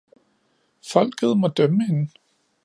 Folket må dømme hende!